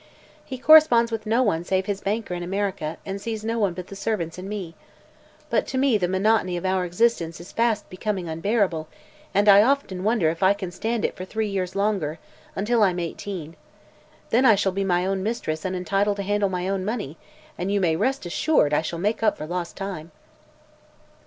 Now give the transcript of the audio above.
He corresponds with no one save his banker in America and sees no one but the servants and me. But to me the monotony of our existence is fast becoming unbearable and I often wonder if I can stand it for three years longer until I'm eighteen. Then I shall be my own mistress and entitled to handle my own money, and you may rest assured I shall make up for lost time."